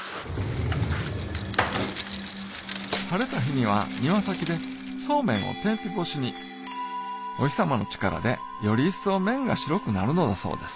晴れた日には庭先でそうめんを天日干しにお日さまの力でより一層麺が白くなるのだそうです